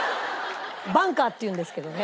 バンカーっていうんですけどね。